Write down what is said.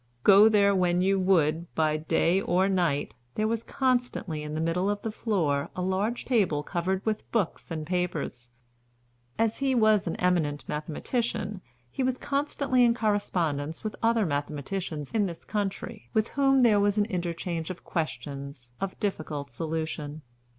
Go there when you would, by day or night, there was constantly in the middle of the floor a large table covered with books and papers. As he was an eminent mathematician, he was constantly in correspondence with other mathematicians in this country, with whom there was an interchange of questions of difficult solution.